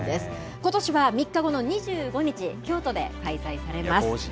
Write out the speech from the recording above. ことしは３日後の２５日、京都で開催されます。